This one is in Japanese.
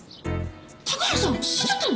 高原さん死んじゃったの！？